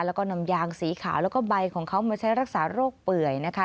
แล้วก็นำยางสีขาวแล้วก็ใบของเขามาใช้รักษาโรคเปื่อยนะคะ